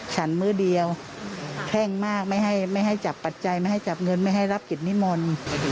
ฉันมื้อเดียวแข้งมากไม่ให้จับปัจจัยไม่ให้จับเงินไม่ให้รับกิจนิมนต์